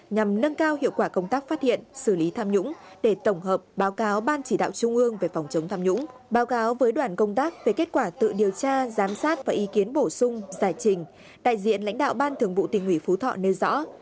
nhằm nâng cao hiệu quả công tác phát hiện xử lý tham nhũng để tổng hợp báo cáo ban chỉ đạo trung ương về phòng chống tham nhũng báo cáo với đoàn công tác về kết quả tự điều tra giám sát và ý kiến bổ sung giải trình đại diện lãnh đạo ban thường vụ tỉnh ủy phú thọ nêu rõ